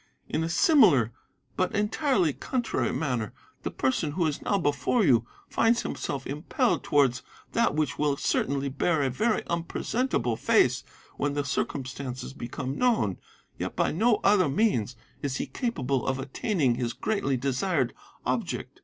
In a similar, but entirely contrary manner, the person who is now before you finds himself impelled towards that which will certainly bear a very unpresentable face when the circumstances become known; yet by no other means is he capable of attaining his greatly desired object.